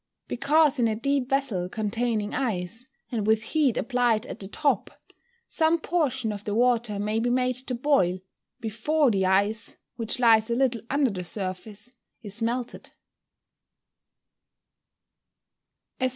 _ Because in a deep vessel containing ice, and with heat applied at the top, some portion of the water may be made to boil before the ice, which lies a little under the surface, is melted.